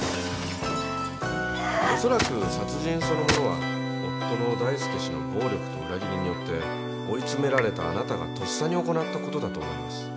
恐らく殺人そのものは夫の大輔氏の暴力と裏切りによって追い詰められたあなたが咄嗟に行った事だと思います。